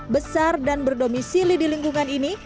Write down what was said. besar dan berdomisili di lingkungan ini